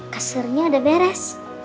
kasurnya udah beres